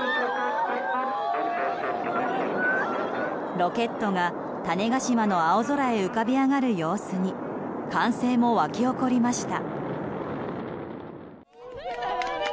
ロケットが種子島の青空へ浮かび上がる様子に歓声も沸き起こりました。